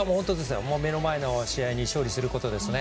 目の前の試合に勝利することだけですよ。